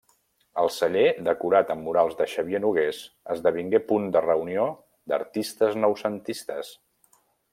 El celler, decorat amb murals de Xavier Nogués, esdevingué punt de reunió d'artistes noucentistes.